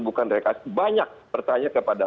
bukan rekasi banyak bertanya kepada